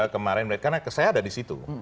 kemarin karena saya ada disitu